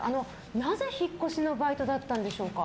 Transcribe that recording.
なぜ引っ越しのバイトだったのでしょうか？